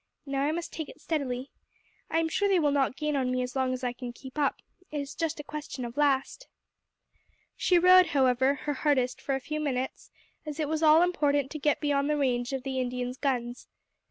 Now I must take it steadily. I am sure they will not gain on me as long as I can keep up it is just a question of last." She rowed, however, her hardest for a few minutes, as it was all important to get beyond the range of the Indians' guns.